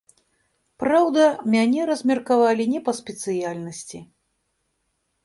Праўда, мяне размеркавалі не па спецыяльнасці.